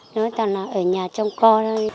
nói toàn là ở nhà trong con